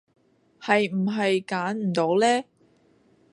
係唔係揀唔到呢